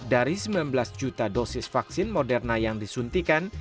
dari sembilan belas juta dosis vaksin moderna yang disuntikan